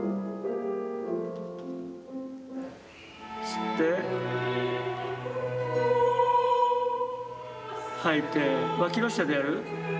吸って吐いてわきの下でやる。